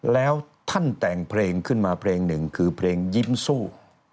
แล้วท่านแต่งเพลงขึ้นมาเพลงหนึ่งคือเพลงยิ้มสู้